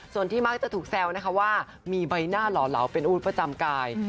ส่วนที่มักจะถูกแซวนะคะว่ามีใบหน้าหล่อเหลาเป็นอาวุธประจำกาย